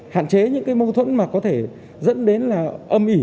hạn chế những mâu thuẫn mà có thể dẫn đến âm ỉ